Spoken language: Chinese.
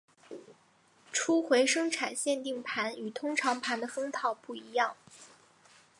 初回生产限定盘与通常盘的封套不一样。